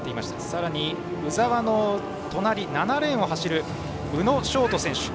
さらに、鵜澤の隣７レーンを走る宇野勝翔選手。